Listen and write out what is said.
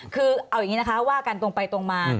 คือเอาอย่างนี้นะคะว่ากันตรงไปตรงมา